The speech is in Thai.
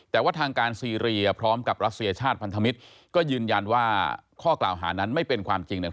แต่ว่าทางการซีเรียพร้อมกับรัสเซียชาติพันธมิตรก็ยืนยันว่าข้อกล่าวหานั้นไม่เป็นความจริงเนี่ย